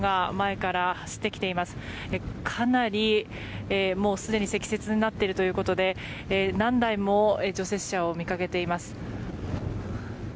かなり、もうすでに積雪になっているということで何台も除雪車を見かけています。